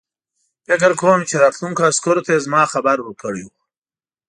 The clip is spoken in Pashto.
فکر کوم چې راتلونکو عسکرو ته یې زما خبر ورکړی وو.